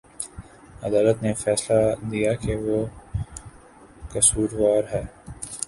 عدالت نے فیصلہ دیا کہ وہ قصوروار ہے